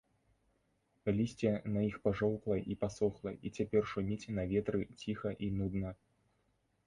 Лісце на іх пажоўкла і пасохла і цяпер шуміць на ветры ціха і нудна.